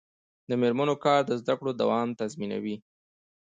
د میرمنو کار د زدکړو دوام تضمینوي.